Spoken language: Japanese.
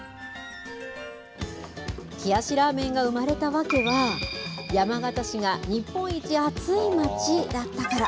冷やしラーメンが生まれた訳は、山形市が日本一暑い町だったから。